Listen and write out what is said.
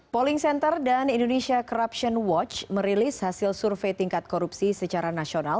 polling center dan indonesia corruption watch merilis hasil survei tingkat korupsi secara nasional